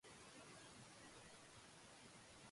石川県川北町